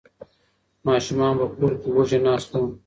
ماشومان په کور کې وږي ناست وو.